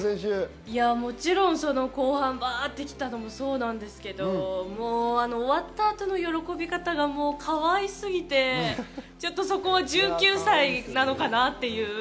もちろん後半、バッと来たのもそうなんですけど、終わった後の喜び方がかわいすぎて、ちょっとそこは１９歳なのかなっていう。